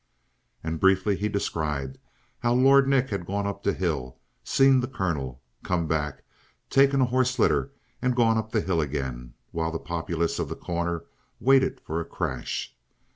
And briefly he described how Lord Nick had gone up the hill, seen the colonel, come back, taken a horse litter, and gone up the hill again, while the populace of The Corner waited for a crash.